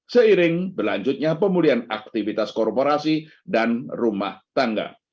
seiring berlanjutnya pemulihan aktivitas korporasi dan rumah tangga